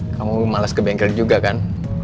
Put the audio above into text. kamu males ke bengkel juga kan